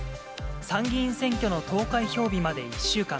参議院選挙の投開票日まで１週間。